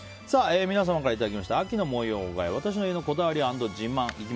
皆様からいただいた秋の模様替え私の家のこだわり＆自慢。